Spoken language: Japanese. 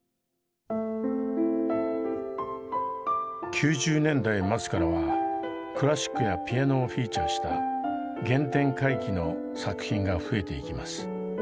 ９０年代末からはクラシックやピアノをフィーチャーした原点回帰の作品が増えていきます。